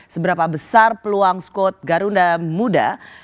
seberapa besar peluang skot garunda muda